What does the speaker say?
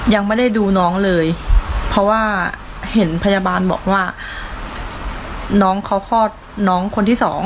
ยังไม่ได้ดูน้องเลยเพราะว่าเห็นพยาบาลบอกว่าน้องเขาคลอดน้องคนที่สอง